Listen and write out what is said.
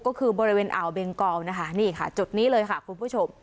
ก็คือบริเวณอ่าวเบงกอลนะคะนี่ค่ะจุดนี้เลยค่ะคุณผู้ชม